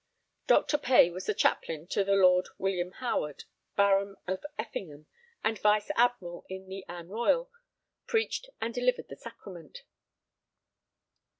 Doctor Pay that was chaplain to the Lord William Howard, Baron of Effingham and Vice Admiral in the Anne Royal, preached and delivered the sacrament.